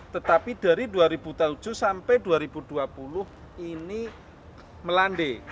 tetapi dari dua ribu tujuh sampai dua ribu dua puluh ini melandai